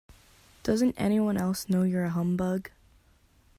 Doesn't anyone else know you're a humbug?